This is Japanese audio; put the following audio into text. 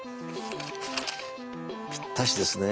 ぴったしですね。